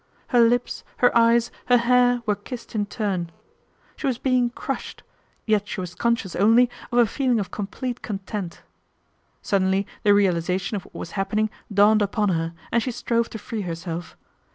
Her lips, her eyes, her hair, were kissed in turn. She was being crushed ; yet she was conscious only of a feeling of complete con tent. Suddenly the realisation of what was happening dawned upon her, and she strove to free herself.